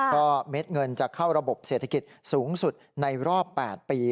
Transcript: ก็เม็ดเงินจะเข้าระบบเศรษฐกิจสูงสุดในรอบ๘ปี